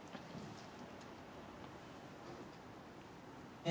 え